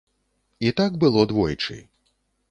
І так было двойчы.